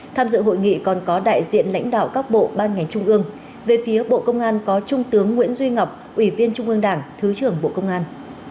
tham dự hội nghị còn có đại diện lãnh đạo các bộ ban ngành trung ương về phía bộ công an có trung tướng nguyễn duy ngọc ủy viên trung ương đảng thứ trưởng bộ công an